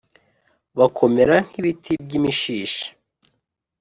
bakomera nk’ibiti by’imishishi!